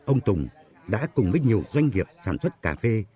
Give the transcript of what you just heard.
ông tùng đã cùng với nhiều doanh nghiệp sản xuất cà phê